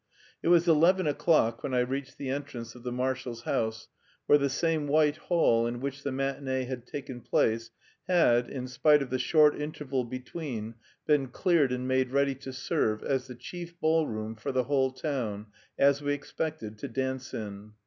It was eleven o'clock when I reached the entrance of the marshal's house, where the same White Hall in which the matinée had taken place had, in spite of the short interval between, been cleared and made ready to serve as the chief ballroom for the whole town, as we expected, to dance in.